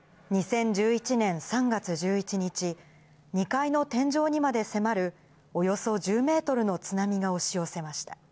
２０１１年３月１１日、２階の天井にまで迫る、およそ１０メートルの津波が押し寄せました。